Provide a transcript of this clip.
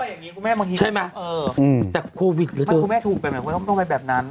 มันต้องไปอย่างนี้คุณแม่มังหิวใช่ไหมโควิดต้องไปแบบนั้น